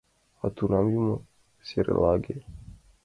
А тунам — юмо серлаге!